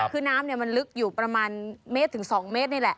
คือน้ำมันลึกอยู่ประมาณเมตรถึง๒เมตรนี่แหละ